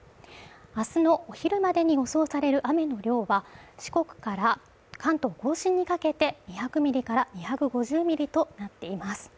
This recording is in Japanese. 明日のお昼までに予想される雨の量は、四国から関東甲信にかけて２００ミリから２５０ミリとなっています。